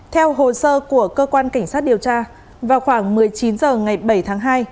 theo hồ sơ của cơ quan cảnh sát điều tra vào khoảng một mươi chín h ngày bảy tháng hai